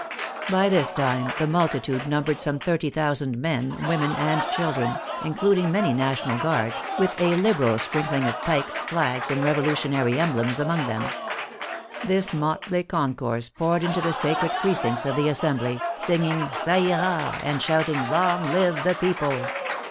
By this time the multitude numbered some 30,000 men, women, and chil dren, including many National Guards, with a liberal sprinkling of pikes, flags, and revolutionary emblems among them. This motley concourse poured into the sacred precincts of the Assembly, singing Qa ira, and shouting, " Long live the people